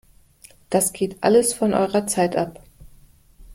Das geht alles von eurer Zeit ab!